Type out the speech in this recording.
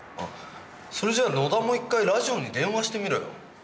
それじゃ野田も一回ラジオに電話してみろよ。